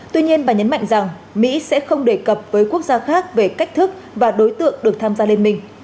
tuy nhiên bà nhấn mạnh rằng mỹ sẽ không đề cập với quốc gia khác về cách thức và đối tượng được tham gia liên minh